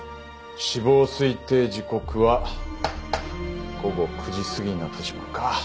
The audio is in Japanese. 死亡推定時刻は午後９時すぎになってしまうか。